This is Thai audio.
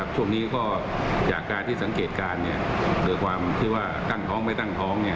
ช่วงนี้ก็จากการที่สังเกตการณ์โดยความที่ว่าตั้งท้องไม่ตั้งท้อง